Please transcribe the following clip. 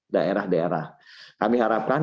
daerah daerah kami harapkan